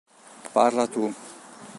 Parla tu...